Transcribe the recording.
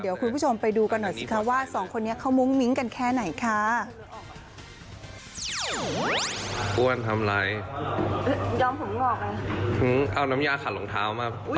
เดี๋ยวคุณผู้ชมไปดูกันหน่อยสิคะว่าสองคนนี้เขามุ้งมิ้งกันแค่ไหนค่ะ